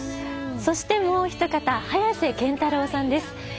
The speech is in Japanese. そして、もうひと方早瀬憲太郎さんです。